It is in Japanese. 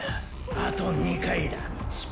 あと２回だッ！